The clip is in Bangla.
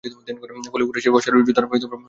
ফলে কুরাইশের অশ্বারোহী যোদ্ধারা ভয় পেয়ে গেল।